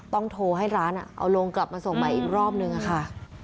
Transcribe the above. ต้องโทรให้ร้านเอาโรงกลับมาส่งใหม่อีกรอบนึงค่ะ